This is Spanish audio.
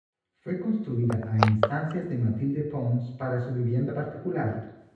Fue construida a instancias de Matilde Pons para su vivienda particular.